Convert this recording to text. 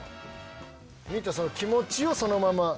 見たその気持ちをそのまま。